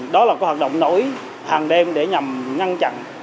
đó là hoạt động nổi hàng đêm để nhằm ngăn chặn